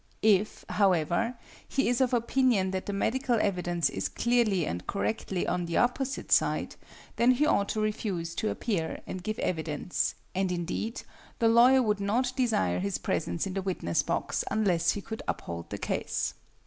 If, however, he is of opinion that the medical evidence is clearly and correctly on the opposite side, then he ought to refuse to appear and give evidence; and, indeed, the lawyer would not desire his presence in the witness box unless he could uphold the case.